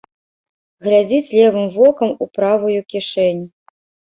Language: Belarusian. Глядзіць левым вокам у правую кішэнь.